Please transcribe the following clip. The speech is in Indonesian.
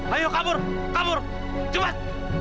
ayo kabur kabur cepat